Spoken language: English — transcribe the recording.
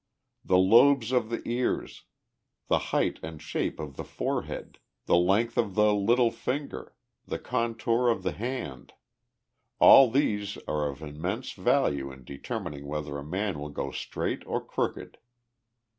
The lobes of the ears, the height and shape of the forehead, the length of the little finger, the contour of the hand all these are of immense value in determining whether a man will go straight or crooked.